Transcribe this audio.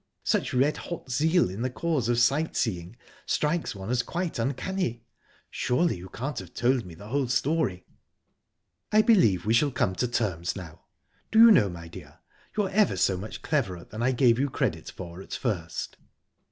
Such red hot zeal in the cause of sight seeing strikes one as quite uncanny! Surely you can't have told me the whole story?" "I believe we shall come to terms now. Do you know, my dear, you're ever so much cleverer than I gave you credit for at first."